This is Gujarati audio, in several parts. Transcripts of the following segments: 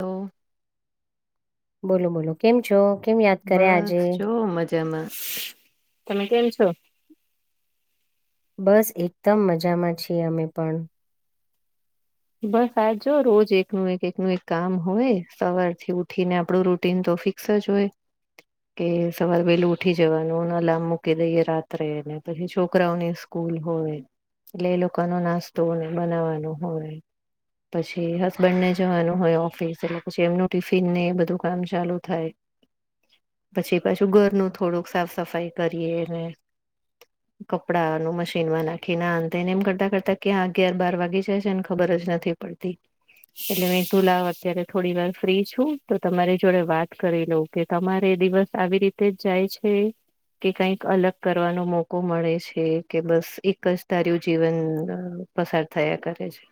તો બોલો બોલો કેમ છો કેમ યાદ કરયા આજે તમ તમે કેમ છો બસ એકદમ મજામાં છીએ અમે પણ બસ આજ રોજ એકનું એક એકનું એક કામ હોય સવાર થી ઉઠી ને આપડું રૂટીન તો ફિક સજ હોય કે સવારે વેલું ઉઠી જવાનું અને અલાર્મ મૂકી દઈએ રાત્રેને પછી છોકરાઓને સ્કૂલ હોય એટલે એ લોકો નો નાસ્તોને બનાવવાનો હોય પછી હસબન્ડ ને જવાનું હોય ઓફિસ એટલે પછી એમનું ટિફિન ને બધું કામ ચાલુ થાય પછી પાછું ઘરનું થોડુંક સાફ સફાઈ કરીએને કપડા નું મશીનમાં નાખી ના આમતેન કરતા કરતા ક્યા અગીયાર બાર વાગી જાય છે ખબર જ નથી પડતી એટલે મે તુ લવ અત્યારે થોડી વાર ફ્રી છું તો તમારી જોડે વાત કરી લઉ કે તમારે દિવસ આવી રીતે જ જાય છે કે કઈક અલગ કરવાનો મોકો મળે છે કે બસ એક જ ઘાર્યું જીવન અ પસાર થયા કરે છે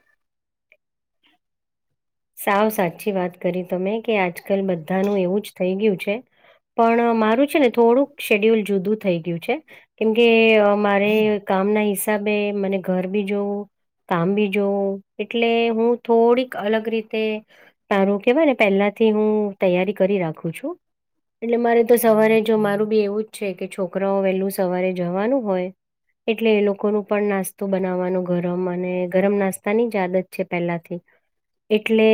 સાવ સાચી વાત કરી તમે કે આજકાલ બધાનું એવું જ થઈ ગયું છે પણ મારું છે ને થોડુંક શેડ્યુલ જુદું થઈ ગયું છે કેમકે મારે કામ ના હિસાબે મને ઘર બી જોવું કામ બી જોવું એટલે હું થોડીક અલગ રીત તે તારું કેવાય ને પહેલા થી હું તૈયારી કરી રાખું છું એટલે મારે તો સવારે જો મારું બી એવું જ છે કે છોકરાઓ વેલું સવારે જવાનું હોય એટલે એ લોકોનું પણ નાસ્તો બનાવવાનું ગરમ અને ગરમ નાસ્તાની જ આદત છે પહેલાથી એટલે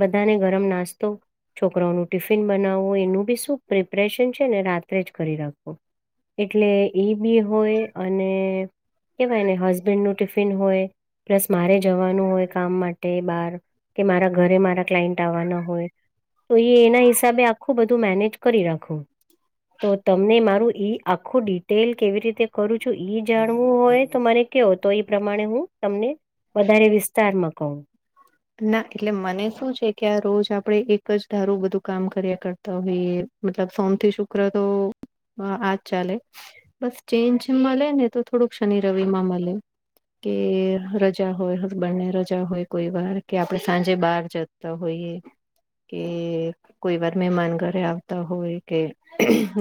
બધાને ગરમ નાસ્તો છોકરાઓનું ટિફિન બનાવવું એનું બી શું પ્રિપરેશન છે ને રાત્રે જ કરી રાખુ એટલે એ બી હોય અને કેવાય ને હસબેન્ડ નું ટિફિન હોય પ્લસ મારે જવાનું હોય કામ માટે બાર કે મારા ઘરે મારા ક્લાયન્ટ આવવાના હોય તો એ એના હિસાબે આખું બધું મેનેજ કરી રાખું તો તમને મારું ઈ આખું ડિટેલ કેવી રીતે કરું છું ઈ જાણવું હોય તો મારે કયો તો એ પ્રમાણે હું તમને વધારે વિસ્તારમાં કહું ના એટલે મને શું છે કે આ રોજ આપણેે એક જ ધારું બધું કામ કર્યા કરતા. તો મતલબ સોમથી શુક્ર તો આજ ચાલે બસ ચેન્જ મળે ને તો થોડુંક શનિ રવિ માં મળે કે રજા હોય હસબન્ડને રજા હોય કોઈ વાર કે આપણે સાંજે બાર જતા હોઈએ કે કોઈ વાર મહેમાન ઘરે આવતા હોય કે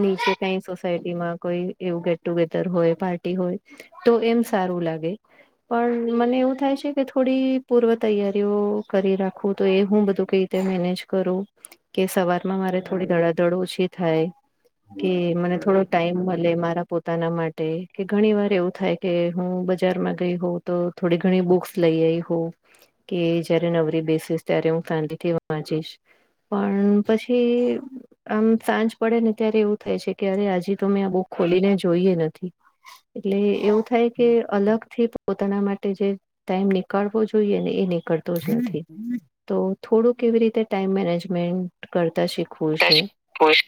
નીચે કઈ સોસાયટી માં કોઈ એવું ગેટ ટુગેધર હોય પાર્ટી હોય તો એમ સારું લાગે પણ મને એવું થાય છે કે થોડી પૂર્વ તૈયારીઓ કરી રાખું તો એ હું બધું કઈ રીતે મેનેજ કરું કે સવાર માં મારે થોડી ધડાધડ ઓછી થાય. કે મને થોડો ટાઈમ મળે મારા પોતાના માટે કે ઘણી વાર એવું થાય. કે હું બજારમાં ગઈ હોઉ તો થોડી ઘણી બુક્સ લઈ આવીઈ હોઉ કે જયારે નવરી બેસીસ ત્યારે હું ફેમિ થી વાંચીશ. પણ પછી આમ સાંજ પડે ને ત્યારે એવું થાય છે કે અરે આજી તો મેં આ બુક ખોલીને જોઈએ નથી. એટલે એવું થાય કે અલગ થી પોતાના માટે જે ટાઈમ નીકળવો જોઈએ. જોઈએ ને એ નીકળતો જ નથી. તો થોડું કેવી રીતે ટાઈમ મેનેજમેન્ટ કરતા શીખવું છે. પૂછ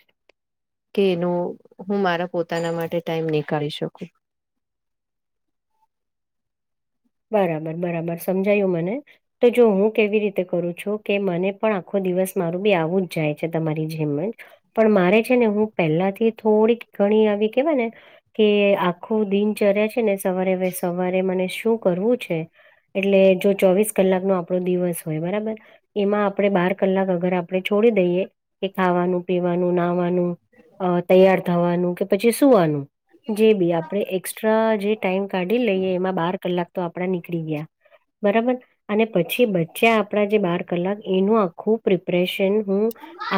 કે એનો હું મારા પોતાના માટે ટાઈમ નીકાળી શકું. બરાબર બરાબર સમજાયું મને. તો જો હું કેવી રીતે કરું છું કે મને પણ આખો દિવસ મારું બી આવું જ જાય છે તમારી જેમ જ પણ મારે છે ને હું પહેલાથી થોડીક ઘણી આવી કેવાય ને કે આખું દિનચર્યા છે ને સવારે સવારે મને શું કરવું છે. એટલે જો ચોવીસ કલાક નો આપણો દિવસ હોય બરાબર એમાં આપણે બાર કલાક અગર આપણે છોડી દઈએ કે ખાવાનું પીવાનું નાહવાનું અ તૈયાર થવાનું કે પછી સુવાનું જે બી આપણેે એકક્સ્ટ્રા જે ટાઈમ કાઢી લઈએ એમાં બાર કલાક તો આપડા નીકળી ગયા. બરાબર અને પછી બચ્યા આપણા જે બાર કલાક એનું આખું પ્રિપ્રેશન હું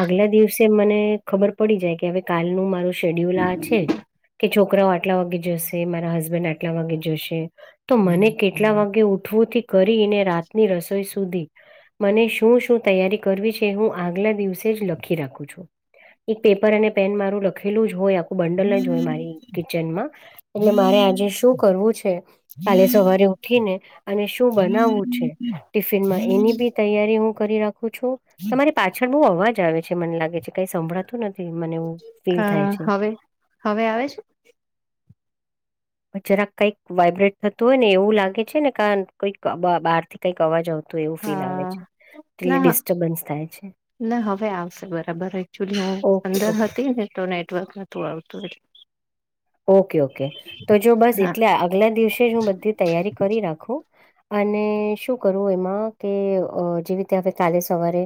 આગલા દિવસે મને ખબર પડી જાય કે હવે કાલનું મારું શેડ્યુલ આ છે. કે છોકરાઓ આટલા વાગે જશે મારા હસબેન્ડ આટલા વાગે જશે તો મને કેટલા વાગે ઉઠવુંથી કરીને રાતની રસોઈ સુધી મને શું શું તૈયારી કરવી છે હું આગલા દિવસે જ લખી રાખું છું. એક પેપર અને પેન મારું લખેલું જ હોય આપ બંડલ જ હોય મારી કિચનમાં એટલે મારે આજે શું કરવું છે. કાલે સવારે ઉઠીને અને શું બનાવવું છે ટિફિનમાં એની બી તૈયારી હું કરી રાખું છું. તમારી પાછળ બહુ અવાજ આવે છે મને લાગે છે કઈ સંભળાતું નથી મને એવુ હા હવે હવે આવે છે. જરાક કઈક વાઈબ્રેટ થતું હોય ને એવું લાગે છે ને કાન કઈક બહાર થી કંઈક અવાજ આવતો તો એવું અ ફીલ આવે છે એટલે ના ડિસ્ટર્બન્સ થાય છે. ના હવે આવશે બરાબર એકચુલી ઓકે અંદર ઓકે હતી ને તો નેટવર્ક નું આવતું હો ઓકે ઓકે તો જો બસ હા એટલે આગલા દિવસે જ હું બધી તૈયારી કરી રાખું અને શું કરવું એમાં કે જેવી રીતે હવે કાલે સવારે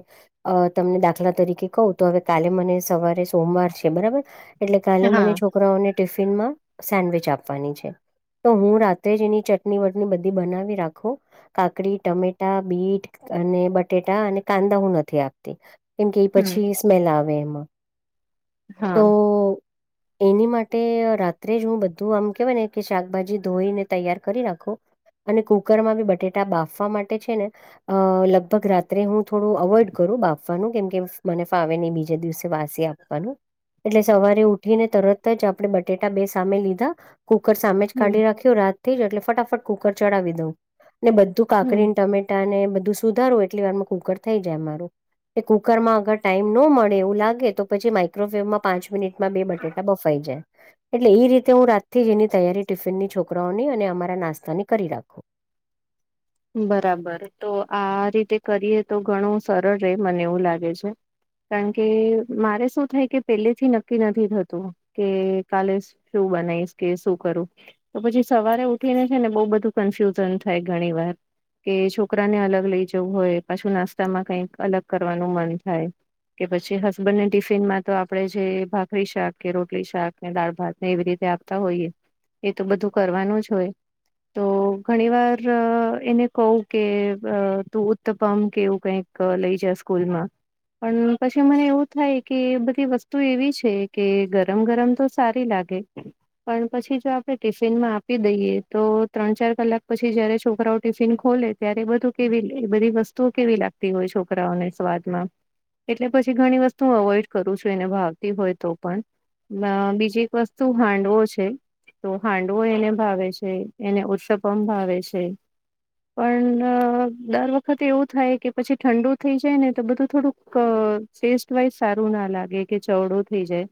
અ તમને દાખલા તરીકે કહું તો હવે કાલે મને સવારે સોમવાર છે બરાબર એટલે કાલે હા મને છોકરાઓને ટિફિન માં સેન્ડવીચ આપવાની છે. તો હું રાત્રે જ એની ચટણી વટની બધી બનાવી રાખું. કાકડી ટમેટા બીટ અને બટેટા અને કાંદા હું નથી આપતી કેમ કે એ હમ પછી સ્મેલ આવે એમાં. તો હા. એની માટે રાત્રે જ હું બધું આમ કેવાય ને કે શાકભાજી ધોઈને તૈયાર કરી રાખુ. અને કુકર માં બી બટેટા બાફવા માટે છે ને અ લગભગ રાત્રે હું થોડું અવોઈડ કરું બાફવાનું કેમકે મને ફાવે નહી બીજા દિવસે વાસી એ આપવાનું એટલે સવારે ઉઠીને તરત જ આપણે બટેટા બે સામે લીધા કુકર સામે જ હમ કાઢી રાખ્યો રાતથી જ એટલે ફટાફટ કુકર ચડાવી દઉં ને બધું હમ કાકરીને ટમેટા ને બધું સુધારું એટલી વારમાં કુકર થઈ જાય મારું કે કુકર માં અગર ટાઈમ ન મળે એવું લાગે તો પછી માય મ્રો ફ્લેવમાં પાંચ મિનિટમાં બે બટેટા બફાઈ જાય. એટલે એ રીતે હું રાતથી એની તૈયારી ટિફિનની છોકરાઓની અને અમારા નાસ્તાની કરી રાખું. બરાબર તો આ રીતે કરીએ તો ઘણું સરળ ર મને એવું લાગે છે. કારણ કે મારે શું થાય કે પેલેથી નક્કી નથી થતું કે કાલે શું બનાવીશ કે શું કરવું. તો પછી સવારે ઉઠીને છે ને બહુ બધું કન્ફ્યુઝન થાય ઘણી વાર કે છોકરાને અલગ લઈ જવું હોય પાછું નાસ્તામાં કઈક અલગ કરવાનું મન થાય. કે પછી હસબન્ડને ટિફિનમાં તો આપડે જે ભાખરી શાક કે રોટલી શાક દાળ ભાત એવી રીતે આપતા હોઈએ એ તો બધું કરવાનું જ હોય. તો ઘણી વાર અ. એને કવું કે તું ઉત્તપમ કેવું કઈક લઈ જ સ્કૂલમાં પણ પછી મને એવું થાય કે બધી વસ્તુ એવી છે કે ગરમ ગરમ તો સારી લાગે. કે. પણ પછી જો આપડણે ટિફિનમાં આપી દઈએ તો ત્રણ ચાર કલાક પછી જયારે છોકરાઓ ટિફિન ખોલે ત્યારે બધું કેવી બધી વસ્તુઓ કેવી લાગતી હોય છોકરાઓને સ્વાદમાં. એટલે પછી ઘણી વસ્તુ અવોઈડ કરું છું એને ભાવતી હોય તો પણ. બીજી એક વસ્તુ હાંડવો છે. તો હાંડવો એને ભાવે છે એને ઉત્સપમ ભાવે છે. પણ દર વખતે એવું થાય કે પછી ઠંડુ થઈ જાય ને તો બધું થોડુંક. ટેસ્ટ વાઈઝ સારું ના લાગે કે ચવડો થઈ જાય.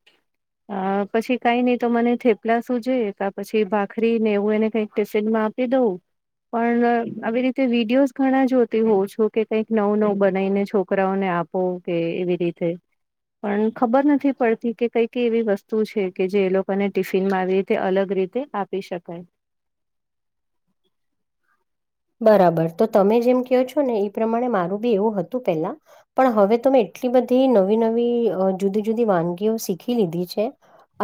અ પછી કઈ નઈિ તો મને થેપલા શું છેે પછી ભાખરી ને એવું એને કઈક. સન મા આપી દવું. પણ આવી રીતે વિડીયોઝ ઘણા જોતી હોઉ છું કે કંઈક નવું નવું બનાઈને છોકરાઓને આપ પોગ એવી રીતે. પણ ખબર નથી પડતી કે કઈ ક એવી વસ્તુ છે કે જે એ લોકોને ટિફિન માં આવી રીતે અલગ રીતે આપી શકાય. બરાબર તો તમે જેમ કહો છો ને એ પ્રમાણે મારું બી એવું હતું પેલા. પણ હવે તો મેં એટલી બધી નવી નવી જુદી જુદી વાનગીઓ શીખી લીધી છે.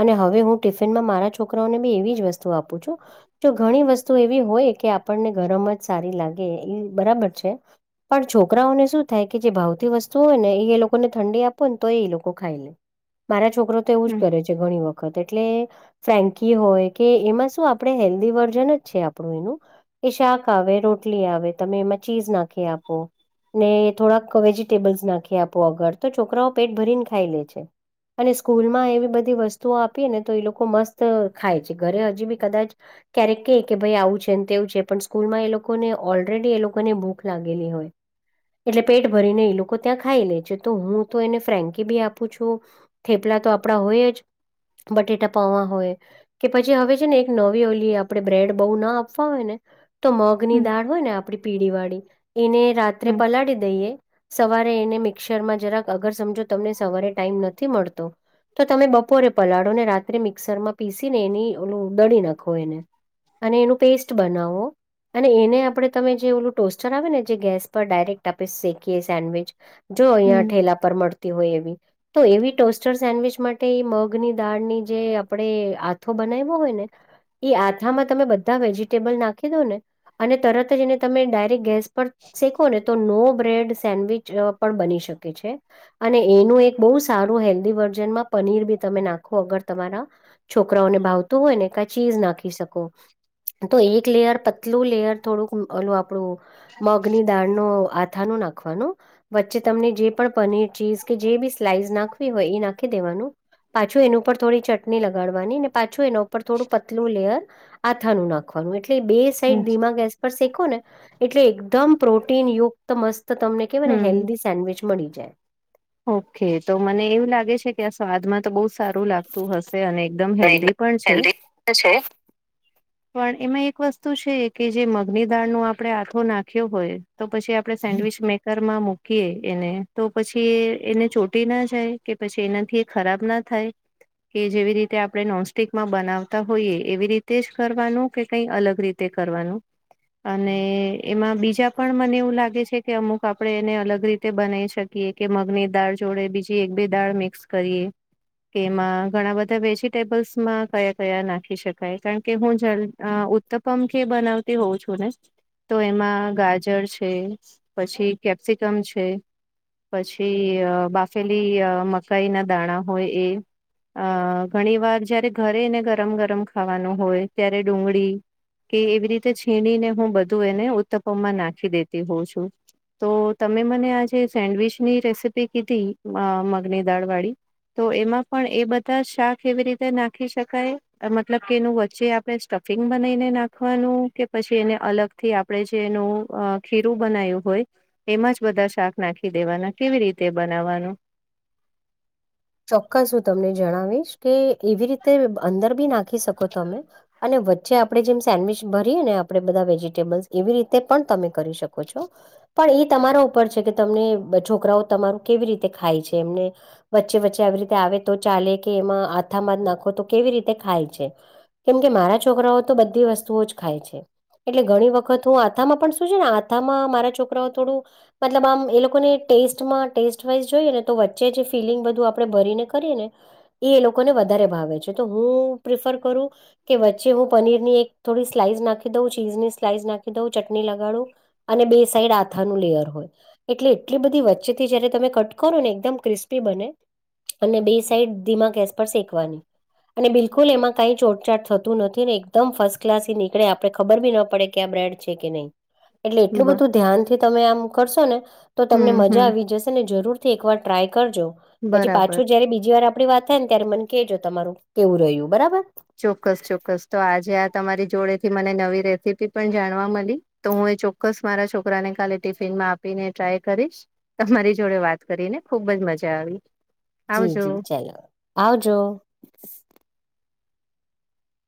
અને હવે હું ટિફિનમાં મારા છોકરાઓને બી એવી જ વસ્તુ આપું છું. જો ઘણી વસ્તુ એવી હોય કે આપણને ગરમ જ સારી લાગે એ બરાબર છે. પણ છોકરાઓને શું થાય કે જે ભાવથી વસ્તુઓ હોય ને એ એ લોકોને ઠંડી આપો ને તો એ લોકો ખાઈ લે. મારા છોકરો તો એવું જ હમ કરે છે ઘણી વખત એટલે ફેન્કી હોય કે એમાં શું આપણે હેલ્ધી વર્ઝન જ છે આપણું એનું કે શાક હવે રોટલી આવે તમે એમાં ચીઝ નાખી આપો. ને થોડાક વેજીિટેબલ્સ નાખી આપો અગર તો છોકરાઓ પેટ ભરીને ખાઈ લે છે. અને સ્કૂલ માં એવી બધી વસ્તુઓ આપી ને તો એ લોકો મસ્ત ખાય છે ઘરે હજી બી કદાચ. ક્યારેક કે કે ભાઈ આવું છે ને તેવું છે પણ સ્કૂલમાં એ લોકોને ઓલરેડી એ લોકો ને ભૂક લાગેલી હોય. એટલે પેટ ભરીને એ લોકો ત્યાં ખાઈ લે છે તો હું તો એને ફ્રેન્કી બી આપું છું. થેપલા તો આપડા હોય જ બટેટા પાવા હોય. કે પછી હવે છે ને એક નવી ઓલી આપણે બ્રેડ બહુ ના આપવા હોય ને તો મગ ની હમ દાળ હોય ને આપડી પીઢી વાળી એને રાત્રે હમ પલાળી દઈએ સવારે એને મિક્સરમાં જરાક અગર સમજો તમને સવારે ટાઈમ નથી મળતો તો તમે બપોરે પલાળો ને રાત્રે મિક્સરમાં પીસી ને એની ઓલું દડી નાખો એને. અને એનું પેસ્ટ બનાવો. અને એને આપણે તમે જે ઓલું ટોસ્ટર આવે ને જે ગેસ પર ડાયરેક્ટ આપે શેકીએ સેન્ડવીચ. જો હમ અહીંયા ઠેલા પર મળતી હોય એવી તો એવી ટોસ્ટર સેન્ડવીચ માટે એ મગની દાળની જે આપણે આથો બનાવ્યો હોય ને ઈ આથામાં તમે બધા વેજીિટેબલ નાખી દો ને અને તરત જ એને તમે ડાયરેક્ટ ગેસ પર શીખો ને તો નો બ્રેડ સેન્ડવીચ પણ બની શકે છે. અને એનું એક બહુ સારું હેલ્ધી વર્જનમાં પનીર બી તમે નાખો અગર તમારા છોકરાઓને ભાવતું હોય ને ક ચીજ નાખી શકો તો એક લેયર પ તલુ લેયર થોડુંક ઓલું આપડું મગની દાળ નુ આથા નુ નાખવાનું વચ્ચે તમને જે પણ પનીર ચીઝ કે જે બી સ્લાઈસ નાખવી હોય એ નાખી દેવાનું પાછું એની ઉપર થોડી ચટણી લગાડવાની પાછું એના ઉપર થોડું પતલું લેયર આથાનું નાખવાનું એટલે બે હમ સાઈડ ધીમા ગેસ પર શેકો ને એટલે એકદમ પ્રોટીન યુક્ત મસ્ત તમને કે મને હમ હેલ્ધી સેન્ડવીચ મળી જાય. ઓકે તો મને એવું લાગે છે કે આ સ્વાદમાં તો બહુ સારું લાગતું હ શે અને એકદમ હેલ્ધી જાય પણ છે. હેલ્ધી છે પણ એમાં એક વસ્તુ છે કે જે મગની દાળ નો આપડણે આથો નાખ્યો હોય તો પછી આપડે સેન્ડવીચ મેક ઘમાં મૂકીએ એને તો પછી એ એને ચોટી ના જાય કે પછી એનાથી એ ખરાબ ના થાઈ કે જેવી રીતે આપણે નોનસ્ટિક માં બનાવતા હોઈયએ એવી રીતે જ કરવાનું કે કઈ અલગ રી તે કરવાનું અને એમાં બીજા પણ મને એવું લાગે છે કે અમુક તો આપણે એને અલગ રીતે બનાવી શકીએ કે મગની દાળ જોડે બીજી એક બે દાળ મિક્સ કરીએ કેમાં ઘણા બધા વેજીિટેબલ્સમાં કયા કયા નાખી શકાય કારણ કે હું જ અ ઉ ત્તપમ બનાવતી હોઉ છું ને તો એમાં ગાજર છે પછી કેપ્સિકમ છે, પછી બાફેલી મકાઈ ના દાણા હોય એ અ ઘણી વાર જયારે ઘરે એને ગરમ ગરમ ખાવાનું હોય ત્યારે ડુંગળી કે એવી રીતે છીણીને હું બધું એને ઉત્તપમમાં નાખી દેતી હોઉં છું તો તમે મને આજે સેન્ડવીચની રેસીપી કીધી મગની દાળ વાળી તો એમાં પણ એ બધા શાક એવી રીતે નાખી શકાય? મતલબ કે એનું વચ્ચે આપડણે સ્ટફિંગ બનાઈને નાખવાનું કે પછી એને અલગ થી આપડે જે એનું અ ખીરું બનાયું હોય એમાં જ બધા શાક નાખી દેવાના કેવી રીતે બનાવવાનું? ચોક્કસ હું તમને જણાવીશ કે એવી રીતે અંદર બી નાખી શકો તમે અને વચ્ચે આપણે જેમ સેન્ડવીચ ભરીએ ને આપડે બધા વેજીિટેબલ્સ એવી રીતે પણ તમે કરી શકો છો પણ એ તમારા ઉપર છે કે તમને છોકરાઓ તમારું કેવી રીતે ખાય છે એમને વચ્ચે વચ્ચે આવી રીતે આવે તો ચાલે કે એમાં આથામાં જ નાખો તો કેવી રીતે ખાય છે કેમકે મારા છોકરાઓ તો બધી વસ્તુઓ જ ખાય છે એટલે ઘણી વખત હું આથામાં પણ શું છે ને આથામાં મારા છોકરાઓ થોડું મતલબ આમ એ લોકોને ટેસ્ટમાં ટેસ્ટવાઈઝ જોઈએ ને તો વચ્ચે જ ફિલિંગ બધું આપણે ભરીને કરીએ ને એ એ લોકોને વધારે ભાવે છે તો હું પ્રિફર કરું. કે વચ્ચે હું પનીર ની એક થોડી સ્લાઈસ નાખી દઉં ચીઝની સ્લાઈસ નાખી દઉં ચટણી લગાડું અને બે સાઈડ આથાનું લેયર હોય એટલે એટલી બધી વચ્ચે થી જયારે તમે કટ કરો ને એકદમ ક્રિસ્પી બને. અને બે સાઈડ ધીમા ગેસ પર સેકવાની અને બિલકુલ એમાં કઈ ચોટચાટ થતું નથી ને એકદમ ફશ ક્લાસી નીકળે આપડે ખબર બી ના પડે કે આ બ્રેડ છે કે નહી એટલે એટલું બધું ધ્યાન થી તમે આમ કરશો ને તો તમને હમ મજા હમ આવી જશે ને જરૂર થી એકવાર ટ્રાય કરજો પછી બરાબર. પાછું જયારે બીજી વાર આપડી વાત થાય ને ત્યારે મને કહેજો તમારું કેવું રહ્યું બરાબર ચોક્કસ ચોક્કસ તો આજે આ તમારી જોડે થી મને નવી રેસીપી પણ જાણવા મળી તો હું એ ચોક્કસ મારા છોકરાને કાલે ટિફિનમાં આપીને ટ્રાય કરીશ. તમારી જોડે વાત કરી ને ખુબ જ મજા આવી. જી આવજો જી ચયલો આવજો